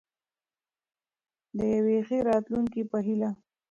د یوې ښې راتلونکې په هیله.